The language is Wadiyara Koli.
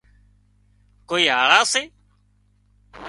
ڪوئي هاۯا سي